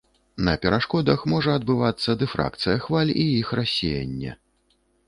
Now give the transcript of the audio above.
На перашкодах можа адбывацца дыфракцыя хваль і іх рассеянне.